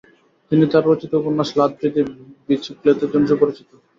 তিনি তার রচিত উপন্যাস লাদ্রি দি বিচিক্লেত্তের জন্য সুপরিচিত।